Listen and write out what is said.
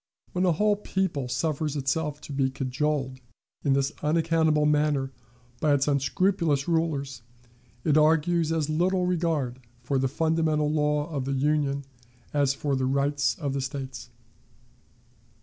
When a whole people suffers itself to be cajoled in this unaccountable manner by its unscrupulous rulers, it argues as little regard for the fundamental law of the Union as for the rights of the States.